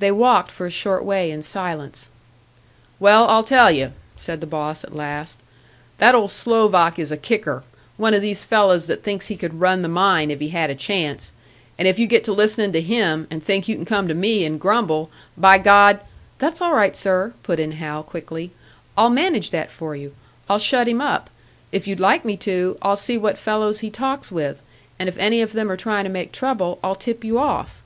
They walked for a short way in silence. "Well, I'll tell you," said the boss, at last; "that old Slovak is a kicker one of these fellows that thinks he could run the mine if he had a chance. And if you get to listenin' to him, and think you can come to me and grumble, by God " "That's all right, sir," put in Hal, quickly. "I'll manage that for you I'll shut him up. If you'd like me to, I'll see what fellows he talks with, and if any of them are trying to make trouble, I'll tip you off."